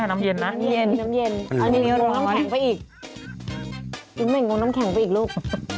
มันกินใหม่มะลิงมีน้ำแข็งไปอีกลูก